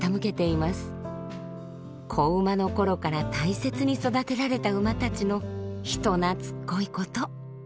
子馬の頃から大切に育てられた馬たちの人なつっこいこと。